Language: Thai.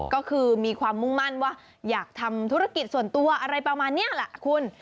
ก็คือมีความมุ่งมั่นว่าอยากทำธุรกิจส่วนตัวอะไรประมาณนี้แหละคุณ